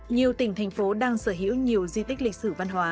nhiều tỉnh thành phố đang sở hữu nhiều di tích lịch sử